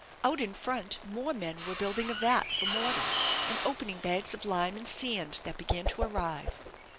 Out in front more men were building a vat for mortar, and opening bags of lime and sand that began to arrive.